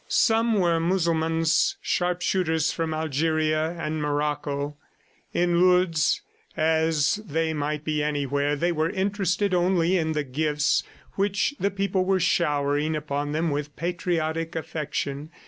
Some were Mussulmans, sharpshooters from Algeria and Morocco. In Lourdes, as they might be anywhere, they were interested only in the gifts which the people were showering upon them with patriotic affection.